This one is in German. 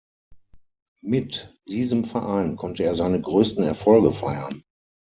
Mit diesem Verein konnte er seine größten Erfolge feiern.